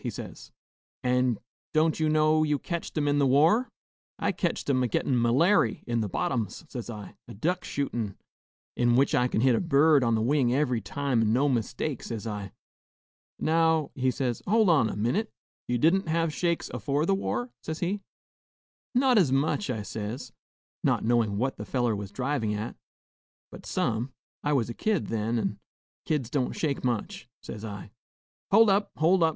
he says; 'an' don't you know you ketched 'em in the war?' 'I ketched 'em a gettin' m'lairy in the bottoms,' says I, 'a duck shootin', in which I kin hit a bird on the wing every time an' no mistake,' says I. 'Now,' he says, 'hold on a minute; you didn't hev shakes afore the war?' says he. 'Not as much,' I says, not knowin' what the feller was drivin' at, 'but some; I was a kid then, and kids don't shake much,' says I. 'Hold up! hold up!'